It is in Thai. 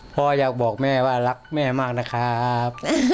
พ่ออยากบอกแม่ว่ารักแม่มากนะครับ